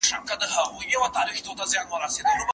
پردی غم